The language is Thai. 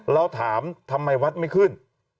เราถามทำไมวัดไม่ขึ้น